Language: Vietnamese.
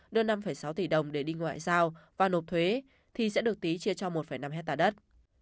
đưa năm sáu tỷ đồng để đi ngoại giao và nộp thuế thì sẽ được tý chia cho một năm hectare đất